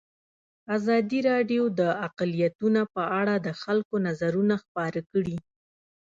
ازادي راډیو د اقلیتونه په اړه د خلکو نظرونه خپاره کړي.